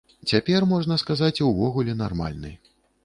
Цяпер, можна сказаць, увогуле нармальны.